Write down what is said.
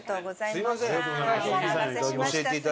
すみません。